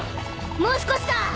もう少しだ！